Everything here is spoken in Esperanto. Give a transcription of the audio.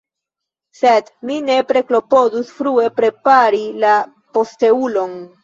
Sed mi nepre klopodus frue prepari la posteulon.